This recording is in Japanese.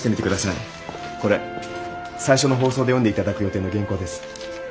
これ最初の放送で読んで頂く予定の原稿です。